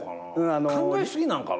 考え過ぎなんかな？